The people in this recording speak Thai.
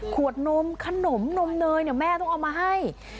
ขวดนมขนมนมเนยเนี่ยแม่ต้องเอามาให้